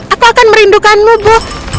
aku akan merindukanmu bu